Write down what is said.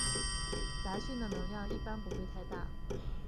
杂讯的能量一般不会太大。